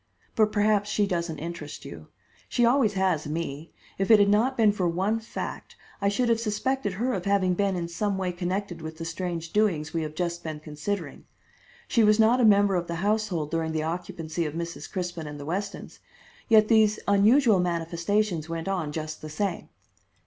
But perhaps she doesn't interest you. She always has me. If it had not been for one fact, I should have suspected her of having been in some way connected with the strange doings we have just been considering. She was not a member of the household during the occupancy of Mrs. Crispin and the Westons, yet these unusual manifestations went on just the same."